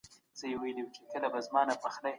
کله چي هغه وکتلي، نو ما ورته سلام وکړی.